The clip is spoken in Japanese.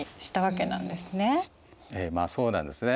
ええまあそうなんですね。